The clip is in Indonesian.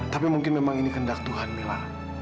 tapi mungkin memang ini kendak tuhan mila